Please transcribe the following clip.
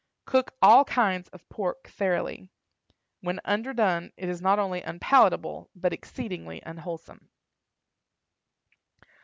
Cook all kinds of pork thoroughly. When underdone it is not only unpalatable, but exceedingly unwholesome.